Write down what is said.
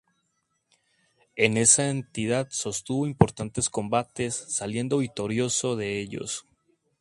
En esa entidad sostuvo importantes combates saliendo victorioso de ellos.